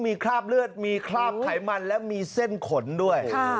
มีคราบเลือดมีคราบไขมันและมีเส้นขนด้วย